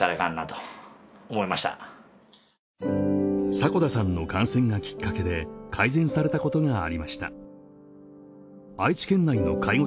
迫田さんの感染がきっかけで改善されたことがありました愛知県内の介護